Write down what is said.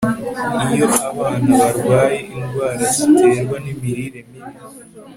iyo abana barwaye indwara ziterwa n'imirire mibi